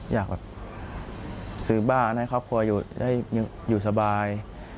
อยากซื้อบ้านให้ครอบครัวอยู่สบาย